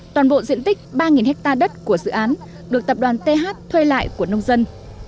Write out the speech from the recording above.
toàn bộ diện tích ba hectare đất của dự án được tập đoàn th thuê lại của nông dân